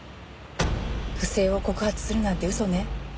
不正を告発するなんて嘘ね。